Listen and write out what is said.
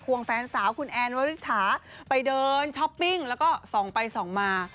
วงแฟนสาวคุณแอนวริถาไปเดินช้อปปิ้งแล้วก็ส่องไปส่องมา